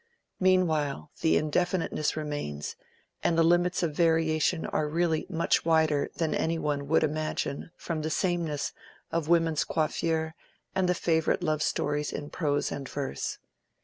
Meanwhile the indefiniteness remains, and the limits of variation are really much wider than any one would imagine from the sameness of women's coiffure and the favorite love stories in prose and verse.